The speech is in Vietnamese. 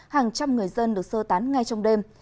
hàng trăm người dân được sơ tán ngay trong đêm